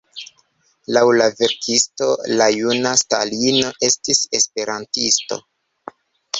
Laŭ la verkisto, la juna Stalino estis esperantisto.